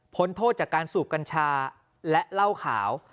โทษจากการสูบกัญชาและเหล้าขาว